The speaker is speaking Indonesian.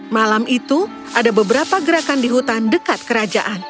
malam itu ada beberapa gerakan di hutan dekat kerajaan